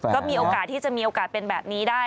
ก็มีโอกาสที่จะมีโอกาสเป็นแบบนี้ได้